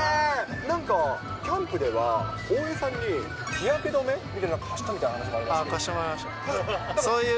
なんか、キャンプでは大江さんに日焼け止めみたいなの貸したみたいな話が貸してもらいました。